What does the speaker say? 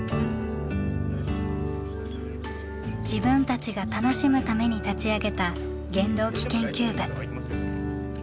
自分たちが楽しむために立ち上げた原動機研究部。